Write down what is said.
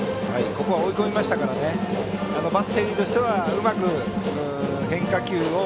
追い込みましたからバッテリーとしてはうまく変化球を。